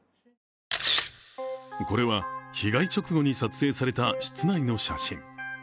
これは被害直後に撮影された室内の写真。